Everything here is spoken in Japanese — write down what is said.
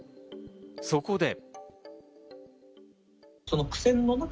そこで。